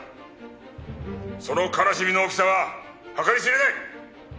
その悲しみの大きさは計り知れない！